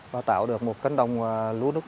và tạo được một cánh đồng lúa nước